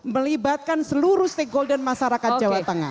melibatkan seluruh stakeholder masyarakat jawa tengah